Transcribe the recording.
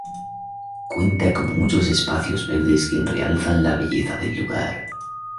Cuenta con muchos espacios verdes que realzan la belleza del lugar.